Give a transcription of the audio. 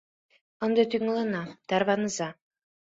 Ынде тӱҥалына — тарваныза!